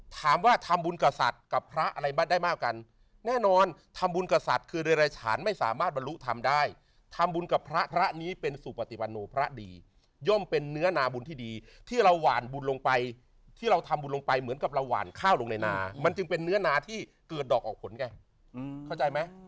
ถามว่าทำบุญกับสัตว์กับพระอะไรได้มากกันแน่นอนทำบุญกับสัตว์คือโดยรายฐานไม่สามารถบรรลุทำได้ทำบุญกับพระพระนี้เป็นสุปติวันโนพระดีย่อมเป็นเนื้อนาบุญที่ดีที่เราหวานบุญลงไปที่เราทำบุญลงไปเหมือนกับเราหวานข้าวลงในนามันจึงเป็นเนื้อนาที่เกิดดอกออกผลไงเข้าใจไหม